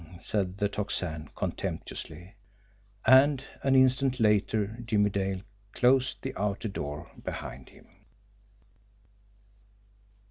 said the Tocsin contemptuously. And, an instant later, Jimmie Dale closed the outer door behind him.